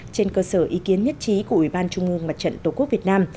trên cơ sở ý kiến nhất trí của ủy ban trung ương mặt trận tổ quốc việt nam